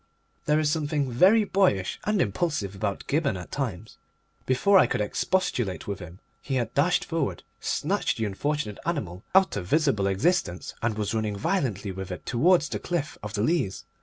There is something very boyish and impulsive about Gibberne at times. Before I could expostulate with him he had dashed forward, snatched the unfortunate animal out of visible existence, and was running violently with it towards the cliff of the Leas.